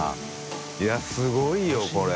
いすごいよこれ。